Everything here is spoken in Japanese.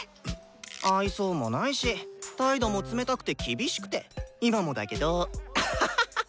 愛想もないし態度も冷たくて厳しくて今もだけど。あはは！